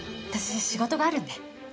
私仕事があるんで。